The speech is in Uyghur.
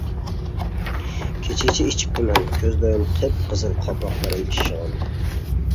كېچىچە ئىچىپتىمەن، كۆزلىرىم قىپقىزىل، قاپاقلىرىم ئىششىغان.